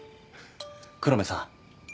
黒目さん